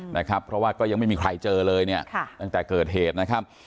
นะครับเพราะว่าก็ยังไม่มีใครเจอเลยเนี่ยค่ะตั้งแต่เกิดเหตุนะครับ